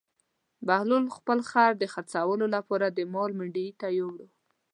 بهلول خپل خر د خرڅولو لپاره د مال منډي ته یووړ.